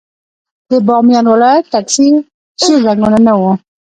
د بامیان ولايت ټکسي ژېړ رنګونه نه وو.